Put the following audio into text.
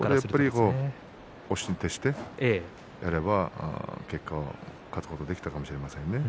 押しに徹してやれば結果は勝つことができたかもしれませんね。